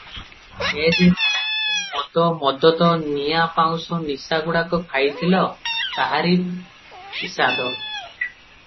ସେ ଯେ ଗଞ୍ଜେଇ – ମଦ – ମଦତ – ନିଆଁ ପାଉଁଶ ନିଶା ଗୁଡ଼ାକ ଖାଇଥିଲ, ତାହାରି ଫିସାଦ ।